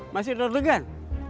masih udah deg degan